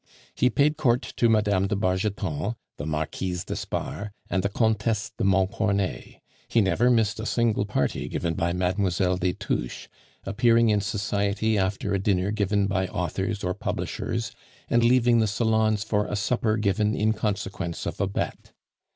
He paid court to Mme. de Bargeton, the Marquise d'Espard, and the Comtesse de Montcornet; he never missed a single party given by Mlle. des Touches, appearing in society after a dinner given by authors or publishers, and leaving the salons for a supper given in consequence of a bet.